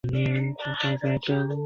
庵埠是粤东的经济重镇。